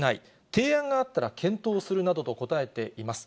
提案があったら検討するなどと答えています。